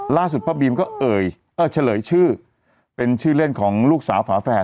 ล่าสุดพ่อบีมก็เฉลยชื่อเป็นชื่อเล่นของลูกสาวฝาแฝด